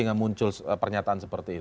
hingga muncul pernyataan seperti itu